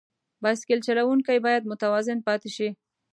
بایسکل چلوونکی باید متوازن پاتې شي.